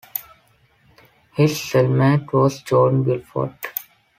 His cellmate was Jordan Belfort.